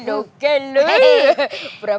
bawa keluar cepetan